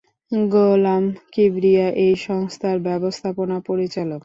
গোলাম কিবরিয়া এই সংস্থার ব্যবস্থাপনা পরিচালক।